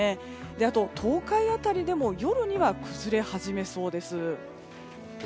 あと、東海辺りでも夜には崩れ始めそうです。